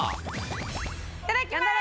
いただきます！